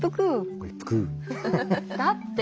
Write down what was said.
だって。